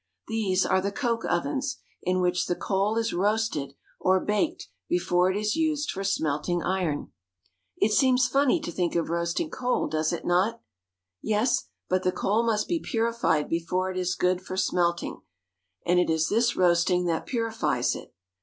These are the coke ovens, in which the coal is roasted or baked before it is used for smelting iron. It seems funny to think of roasting coal, does it not? Yes ; but the coal must be purified before it is good for smelting, and it is this roasting that purifies it.